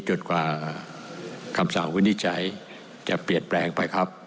จนกว่าคำสั่งวินิจฉัยจะเปลี่ยนแปลงไปครับ